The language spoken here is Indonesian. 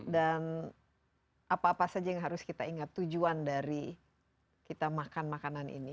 dan apa apa saja yang harus kita ingat tujuan dari kita makan makanan ini